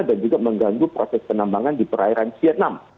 dan juga mengganggu proses penambangan di perairan vietnam